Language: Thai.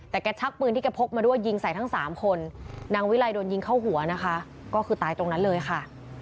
แต่แกชักปืนที่แกพกมาด้วยยิงใส่ทั้งสามคนนางวิลัยโดนยิงเข้าหัวนะคะก็คือตายตรงนั้นเลยค่ะ